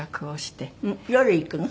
夜行くの？